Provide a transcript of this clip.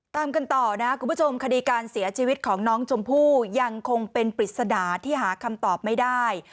ตามกันต่อนะคุณผู้ชมคดีการเสียชีวิตของน้องชมพู่ยังคงเป็นปริศนาที่หาคำตอบไม่ได้